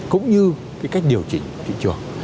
cũng như cái cách điều chỉnh thị trường